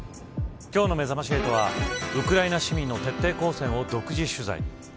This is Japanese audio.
今日のめざまし８はウクライナ市民の徹底抗戦を独自取材。